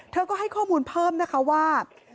เธอก็ให้ข้อมูลเพิ่มนะคะว่า